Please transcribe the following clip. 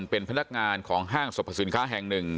เป็นพนักงานของห้างสรรพสินค้าแห่งหนึ่ง